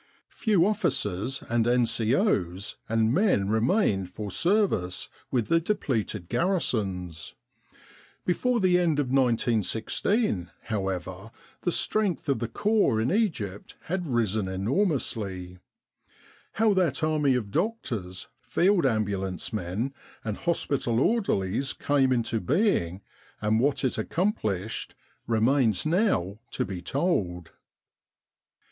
Few officers and N.C.O.'s and men re mained for service with the depleted garrisons. Before the end of 1916, however, the strength of the Corps in Egypt had risen enormously. How that army of doctors, field ambulance men, and hospital orderlies came into being and what it accomplished, remains now to be told.